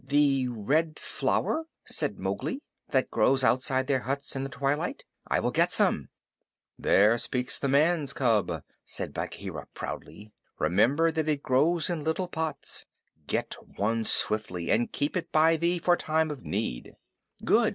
"The Red Flower?" said Mowgli. "That grows outside their huts in the twilight. I will get some." "There speaks the man's cub," said Bagheera proudly. "Remember that it grows in little pots. Get one swiftly, and keep it by thee for time of need." "Good!"